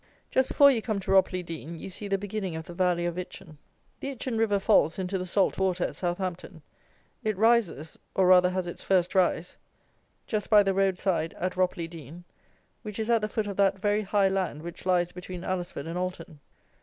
Just before you come to Ropley Dean, you see the beginning of the Valley of Itchen. The Itchen river falls into the salt water at Southampton. It rises, or rather has its first rise, just by the road side at Ropley Dean, which is at the foot of that very high land which lies between Alresford and Alton.